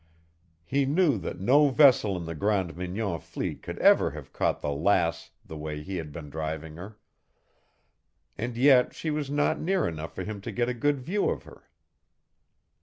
He knew that no vessel in the Grande Mignon fleet could ever have caught the Lass the way he had been driving her, and yet she was not near enough for him to get a good view of her.